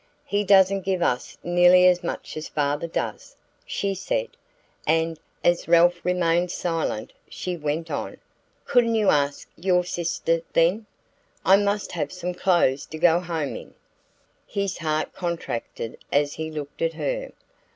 "He doesn't give us nearly as much as father does," she said; and, as Ralph remained silent, she went on: "Couldn't you ask your sister, then? I must have some clothes to go home in." His heart contracted as he looked at her.